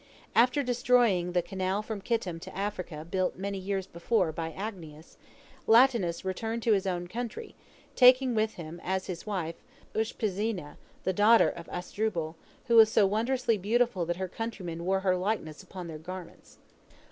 After destroying the canal from Kittim to Africa built many years before by Agnias, Latinus returned to his own country, taking with him as his wife Ushpiziwnah, the daughter of Asdrubal, who was so wondrously beautiful that her countrymen wore her likeness upon their garments.